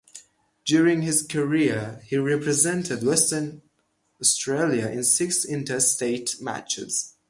During his career he represented Western Australia in six interstate matches.